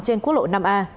trên quốc lộ năm a